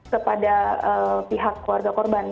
kepada pihak keluarga korban